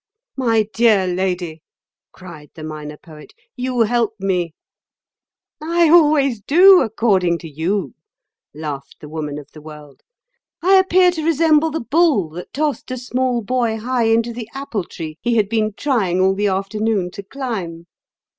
"My dear lady," cried the Minor Poet, "you help me!" "I always do, according to you," laughed the Woman of the World. "I appear to resemble the bull that tossed the small boy high into the apple tree he had been trying all the afternoon to climb."